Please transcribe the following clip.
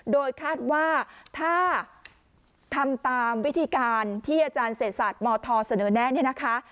โดยคาดว่าถ้าทำตามวิธีการที่อาจารย์เศษศาสตร์มธเสนอแน่เนี่ยนะคะ